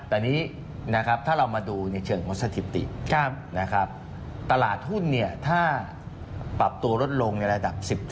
แต่นี้ถ้าเรามาดูเฉินมสติปติตลาดหุ้นถ้าปรับตัวลดลงในระดับ๑๐๑๓